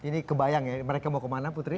ini kebayang ya mereka mau kemana putri